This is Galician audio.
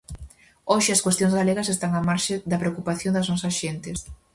Hoxe as cuestións galegas están á marxe da preocupación das nosas xentes.